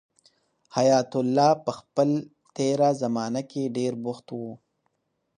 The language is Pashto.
حیات الله په خپل تېره زمانه کې ډېر بوخت و.